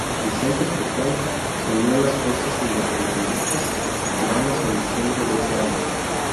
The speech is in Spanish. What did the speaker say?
Vicente Pujals se unió a las fuerzas independentistas cubanas en diciembre de ese año.